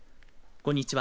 こんにちは。